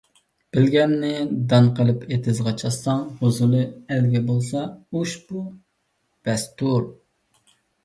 بىلگەننى دان قىلىپ ئېتىزغا چاچساڭ، ھوسۇلى ئەلگە بولسا، ئۇشبۇ بەستۇر.